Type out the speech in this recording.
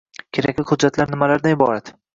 Kerakli hujjatlar nimalardan iborat?